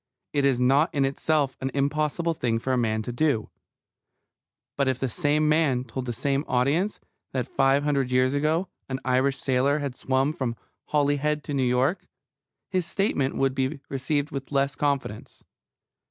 It is not in itself an impossible thing for a man to do. But if the same man told the same audience that five hundred years ago an Irish sailor had swum from Holyhead to New York, his statement would be received with less confidence.